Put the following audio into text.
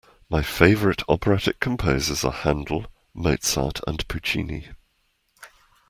My favourite operatic composers are Handel, Mozart and Puccini